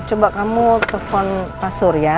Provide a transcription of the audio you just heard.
coba kamu telpon pak surya